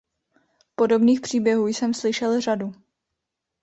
Podobných příběhů jsem slyšel řadu.